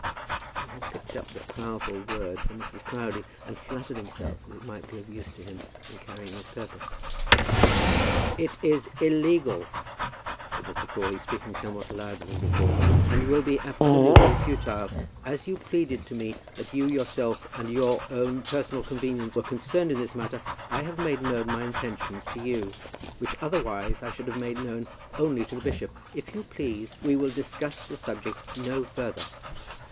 He had picked up the powerful word from Mrs. Proudie and flattered himself that it might be of use to him in carrying his purpose. "It is illegal," said Mr. Crawley, speaking somewhat louder than before, "and will be absolutely futile. As you pleaded to me that you yourself and your own personal convenience were concerned in this matter, I have made known my intentions to you, which otherwise I should have made known only to the bishop. If you please, we will discuss the subject no further."